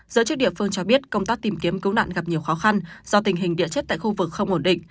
giới chức địa phương cho biết công tác tìm kiếm cứu nạn gặp nhiều khó khăn do tình hình địa chất tại khu vực không ổn định